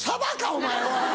お前は。